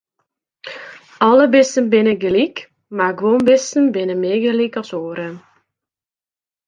Alle bisten binne gelyk, mar guon bisten binne mear gelyk as oare.